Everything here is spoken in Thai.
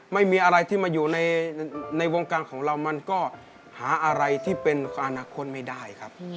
ไม่มีอะไรที่มาอยู่ในวงการของเรามันก็หาอะไรที่เป็นอนาคตไม่ได้ครับ